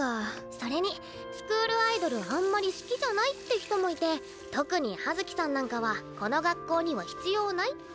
それにスクールアイドルあんまり好きじゃないって人もいて特に葉月さんなんかはこの学校には必要ないって。